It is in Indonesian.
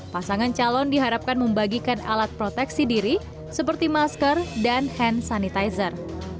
pasangan calon diharapkan membagikan alat proteksi diri seperti masker dan hand sanitizer